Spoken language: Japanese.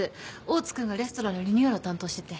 大津君がレストランのリニューアルを担当してて。